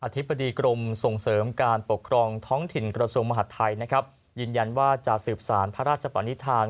ธิบดีกรมส่งเสริมการปกครองท้องถิ่นกระทรวงมหาดไทยนะครับยืนยันว่าจะสืบสารพระราชปนิษฐาน